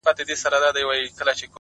په عزت په شرافت باندي پوهېږي،